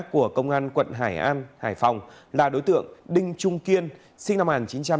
của công an quận hải an hải phòng là đối tượng đinh trung kiên sinh năm một nghìn chín trăm tám mươi